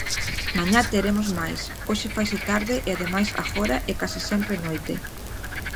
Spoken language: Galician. Mañá teremos máis, hoxe faise tarde e ademais agora é case sempre noite.